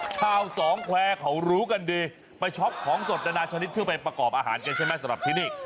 สองแควร์เขารู้กันดีไปช็อปของสดนานาชนิดเพื่อไปประกอบอาหารกันใช่ไหมสำหรับที่นี่